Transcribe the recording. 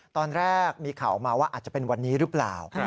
ตอนแรกมีข่าวออกมาว่าอาจจะเป็นวันนี้หรือเปล่า